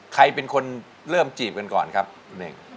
ใครเป็นคนเริ่มจีบกันก่อนครับคุณเน่ง